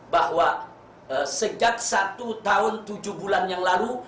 bahwa sejak satu tahun tujuh bulan yang lalu